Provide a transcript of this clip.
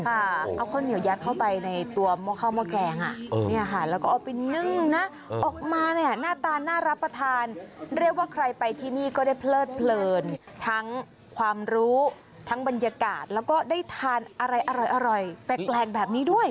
เอาข้าวเหนียวยัดเข้าไปในตัวหม้อข้าวหม้อแกงอ่ะเนี่ยค่ะแล้วก็เอาไปนึ่งนะออกมาเนี่ยหน้าตาน่ารับประทานเรียกว่าใครไปที่นี่ก็ได้เพลิดเพลินทั้งความรู้ทั้งบรรยากาศแล้วก็ได้ทานอะไรอร่อยแปลกแบบนี้ด้วย